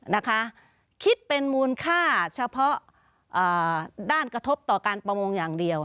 นะคะคิดเป็นมูลค่าเฉพาะด้านกระทบต่อการประมงอย่างเดียว